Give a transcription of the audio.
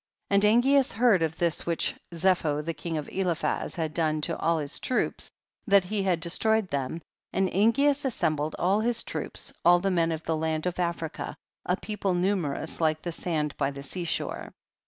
13. And Angeas heard of this which Zepho the son of EHphaz had done to all his troops, that he had de stroyed them, and Angeas assembled all his troops, all the men of the land of Africa, a people numerous like the sand by the sea shore.